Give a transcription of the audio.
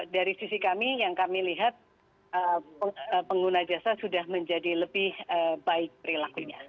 dari sisi kami yang kami lihat pengguna jasa sudah menjadi lebih baik perilakunya